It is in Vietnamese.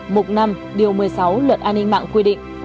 mục năm điều một mươi sáu luật an ninh mạng quy định